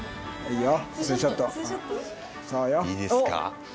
いいですか？